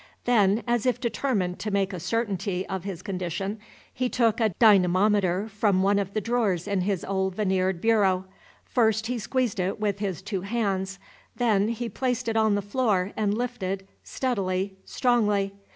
Then, as if determined to make a certainty of his condition, he took a dynamometer from one of the drawers in his old veneered bureau. First he squeezed it with his two hands. Then he placed it on the floor and lifted, steadily, strongly.